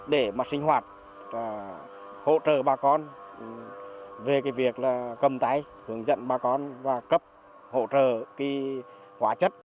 để mà sinh hoạt và hỗ trợ bà con về cái việc là cầm tay hướng dẫn bà con và cấp hỗ trợ cái hóa chất